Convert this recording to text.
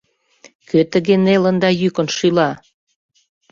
Кӧ тыге нелын да йӱкын шӱла?